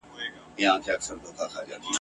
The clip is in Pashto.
یوه ورځ هم پر غلطه نه وو تللی ..